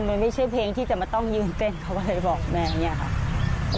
มันไม่ใช่เพลงที่จะมาต้องยืนเต้นเขาก็เลยบอกแม่อย่างนี้ค่ะ